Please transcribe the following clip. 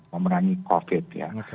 memerangi covid ya